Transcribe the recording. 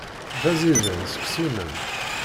D aẓidan seksu-nnem.